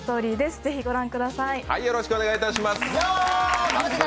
ぜひご覧ください。